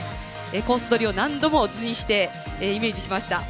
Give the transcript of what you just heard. コースどりを何度も図にしてイメージしました。